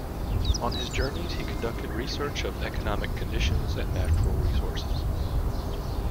On his journeys, he conducted research of economic conditions and natural resources.